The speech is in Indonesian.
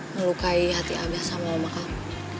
ngelukai hati abah sama mama kamu